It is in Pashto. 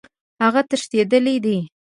هغه تښتېدلی دی.